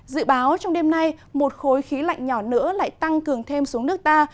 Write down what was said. dự báo trong đêm nay một khối khí lạnh nhỏ nữa lại tăng cường thêm xuống nước ta